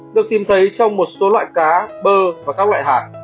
được tìm thấy trong một số loại cá bơ và các loại hạt